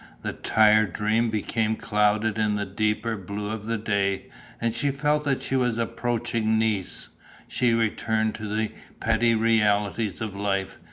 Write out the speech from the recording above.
The tired dream became clouded in the deeper blue of the day; and she felt that she was approaching Nice. She returned to the petty realities of life.